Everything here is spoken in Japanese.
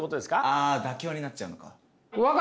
あ妥協になっちゃうのか。